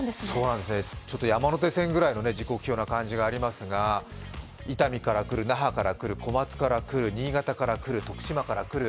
山手線ぐらいの時刻表な感じがありますが、伊丹から来る、那覇から来る、小松から来る、新潟来る、徳島から来る、